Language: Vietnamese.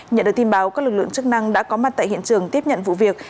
nhận được tin báo các lực lượng chức năng đã có mặt tại hiện trường tiếp nhận vụ việc